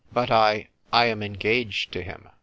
"But I — I am engaged to him."